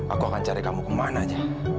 aku akan cari kamu kemana aja